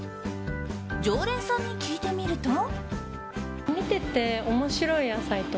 常連さんに聞いてみると。